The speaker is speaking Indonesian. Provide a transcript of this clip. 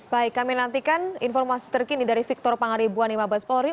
baik kami nantikan informasi terkini dari victor pangaribuan di mabes polri